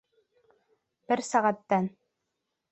Бер сәғәттән...